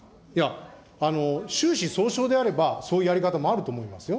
収支相償であれば、そういうやり方もあると思いますよ。